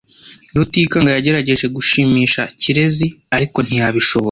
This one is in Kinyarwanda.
Rutikanga yagerageje gushimisha Kirezi , ariko ntiyabishobora.